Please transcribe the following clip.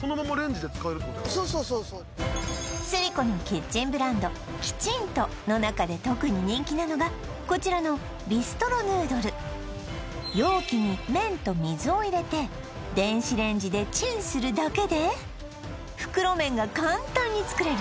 そうそうそうそうスリコのキッチンブランドＫＩＴＩＮＴＯの中で特に人気なのがこちらの容器に麺と水を入れて電子レンジでチンするだけで袋麺が簡単に作れる